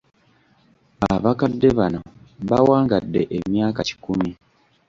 Abakadde bano bawangadde emyaka kikumi.